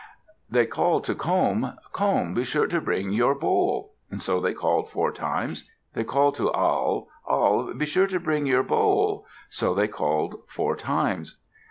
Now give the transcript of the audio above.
They called to Comb. "Comb, be sure to bring your bowl!" So they called four times. They called to Awl. "Awl, be sure to bring your bowl!" So they called four times.